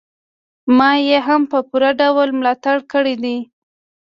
ما يې هم په پوره ډول ملاتړ کړی دی.